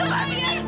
tempat ini ibu